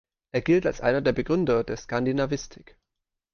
Er gilt als einer der Begründer der Skandinavistik.